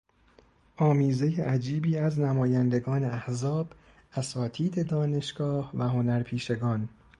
آمیزهی عجیبی از نمایندگان احزاب، اساتید دانشگاه و هنرپیشگان